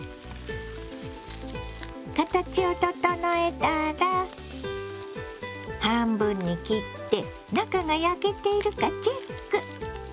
形を整えたら半分に切って中が焼けているかチェック。